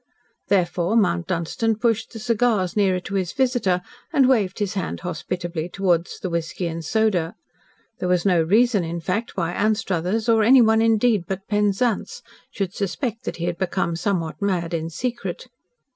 Therefore Mount Dunstan pushed the cigars nearer to his visitor and waved his hand hospitably towards the whisky and soda. There was no reason, in fact, why Anstruthers or any one indeed, but Penzance, should suspect that he had become somewhat mad in secret.